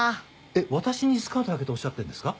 えっ私にスカートはけとおっしゃってるんですか？